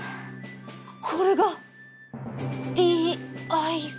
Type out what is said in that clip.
ここれがＤＩＹ。